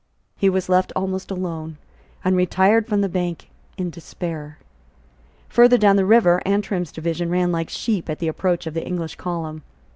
He was left almost alone, and retired from the bank in despair. Further down the river Antrim's division ran like sheep at the approach of the English column.